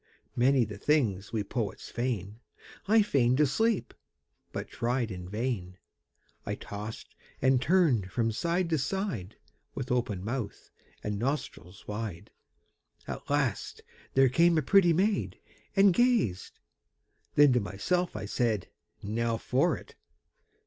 Many the things we poets feign. I feign'd to sleep, but tried in vain. I tost and turn'd from side to side, With open mouth and nostrils wide. At last there came a pretty maid, And gazed; then to myself I said, 'Now for it!'